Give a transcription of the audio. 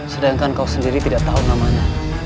sedangkan kau sendiri tidak tahu namanya